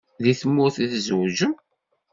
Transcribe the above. Deg tmurt i tzewǧem?